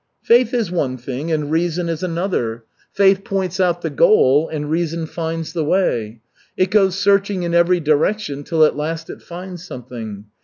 "Faith is one thing and reason is another. Faith points out the goal, and reason finds the way. It goes searching in every direction till at last it finds something.